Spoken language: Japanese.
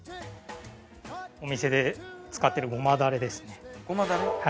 お店で使ってるごまダレですね。